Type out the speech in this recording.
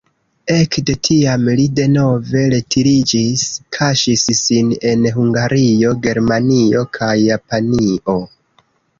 Ekde tiam li denove retiriĝis, kaŝis sin en Hungario, Germanio kaj Japanio.